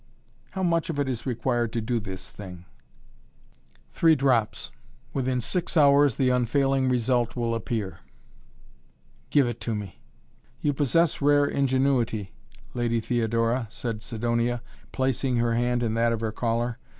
"How much of it is required to do this thing?" "Three drops. Within six hours the unfailing result will appear." "Give it to me!" "You possess rare ingenuity, Lady Theodora," said Sidonia, placing her hand in that of her caller.